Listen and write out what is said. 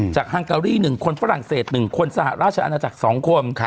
ฮังการี๑คนฝรั่งเศส๑คนสหราชอาณาจักร๒คน